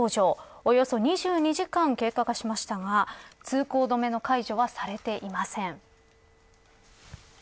およそ２２時間経過しましたが通行止めの解除はされていません。